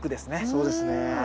そうですね。